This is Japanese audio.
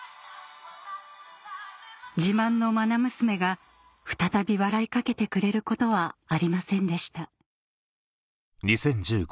自慢のまな娘が再び笑いかけてくれることはありませんでした